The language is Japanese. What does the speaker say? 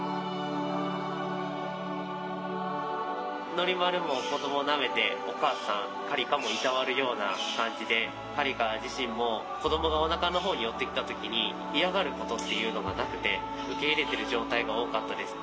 ノリマルも子どもなめてお母さんカリカもいたわるような感じでカリカ自身も子どもがおなかの方に寄っていった時に嫌がることっていうのがなくて受け入れてる状態が多かったです。